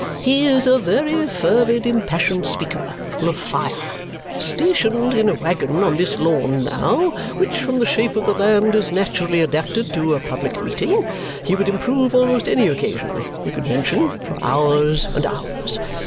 "He is a very fervid, impassioned speaker full of fire! Stationed in a waggon on this lawn, now, which, from the shape of the land, is naturally adapted to a public meeting, he would improve almost any occasion you could mention for hours and hours!